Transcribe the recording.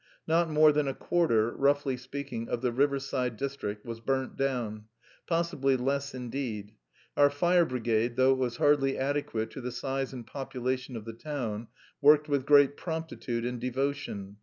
Not more than a quarter, roughly speaking, of the riverside district was burnt down; possibly less indeed. Our fire brigade, though it was hardly adequate to the size and population of the town, worked with great promptitude and devotion.